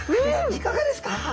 いかがですか？